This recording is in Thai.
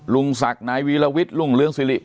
ลุงศักดิ์นายวิระวิทรลุงเรืองซิริ